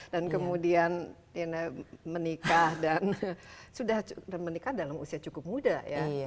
dan kemudian menikah dan sudah menikah dalam usia cukup muda ya